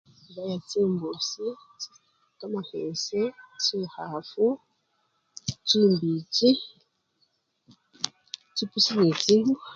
Khubaya chimbusi, kamakhese, chikhafu, chimbichi, chipusi nechimbwa.